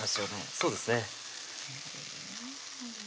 そうですね